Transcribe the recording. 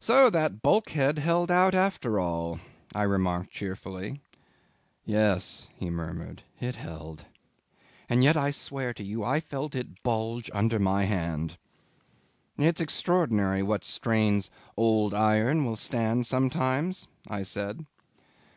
"So that bulkhead held out after all," I remarked cheerfully. "Yes," he murmured, "it held. And yet I swear to you I felt it bulge under my hand." "It's extraordinary what strains old iron will stand sometimes," I said.